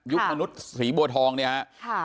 มนุษย์สีบัวทองเนี่ยฮะ